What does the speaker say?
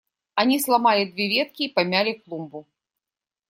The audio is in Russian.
Они сломали две ветки и помяли клумбу.